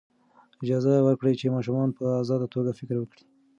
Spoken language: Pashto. اجازه ورکړئ چې ماشومان په ازاده توګه فکر وکړي.